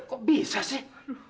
kok bisa sih